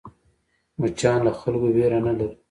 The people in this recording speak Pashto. مچان له خلکو وېره نه لري